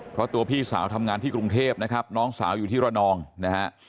เพราะตัวพี่สาวทำงานที่กรุงเทพนะครับน้องสาวอยู่ที่ระนองนะฮะ